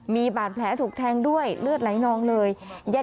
มีบาดแผลถูกแทงด้วยเลือดไหลนองเลย